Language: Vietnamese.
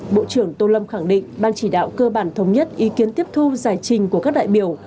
bộ trưởng tô lâm khẳng định ban chỉ đạo cơ bản thống nhất ý kiến tiếp thu giải trình của các đại biểu